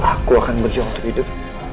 aku akan berjuang untuk hidup